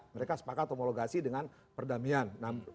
mereka sepakat homologasi dengan perdamaian